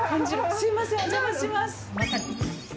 すいませんお邪魔します。